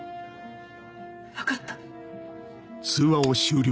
分かった。